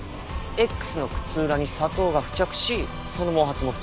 Ｘの靴裏に砂糖が付着しその毛髪も付着した。